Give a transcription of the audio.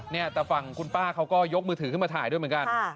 เนี่ยแต่ฝั่งคุณป้าเขาก็ยกมือถือขึ้นมาถ่ายด้วยเหมือนกัน